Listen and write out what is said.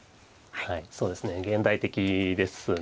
そうですね現代的ですね。